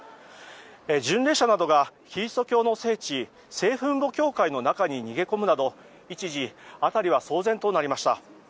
巡礼者などが、キリスト教の聖地聖墳墓教会の中に逃げ込むなど一時、辺りは騒然となりました。